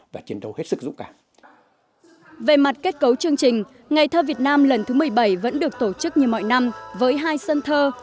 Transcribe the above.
về mặt kết cấu chương trình ngày thơ việt nam lần thứ một mươi bảy vẫn được tổ chức như mọi năm với hai sân thơ